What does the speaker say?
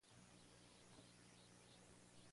Participaron diez equipos.